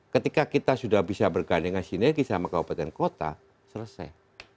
ketika kita sudah bisa bergandengan sinergi sama kabupaten kota selesai